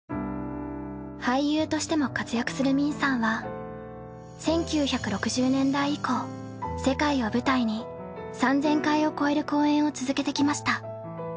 俳優としても活躍する泯さんは１９６０年代以降世界を舞台に３，０００回を超える公演を続けてきました。